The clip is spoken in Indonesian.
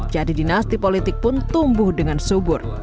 jadi dinasti politik pun tumbuh dengan subur